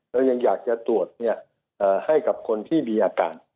เรายังอยากจะตรวจให้กับคนที่มีอาการ